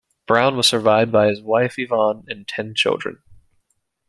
Brown was survived by his wife Yvonne and ten children.